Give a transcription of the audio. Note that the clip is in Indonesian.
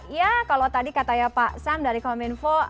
ya kalau tadi katanya pak sam dari kominfo